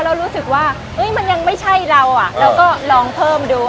เรารู้สึกว่าอุ๊ยมันยังไม่ใช่เราอ่ะแล้วก็ลองเพิ่มดู